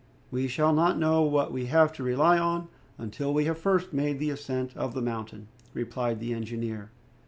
"We shall not know what we have to rely on until we have first made the ascent of the mountain," replied the engineer.